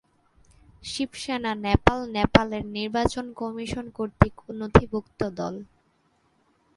শিবসেনা নেপাল নেপালের নির্বাচন কমিশন কর্তৃক নথিভুক্ত দল।